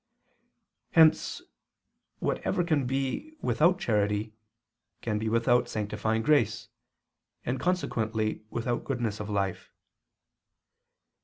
Hence whatever can be without charity can be without sanctifying grace, and consequently without goodness of life.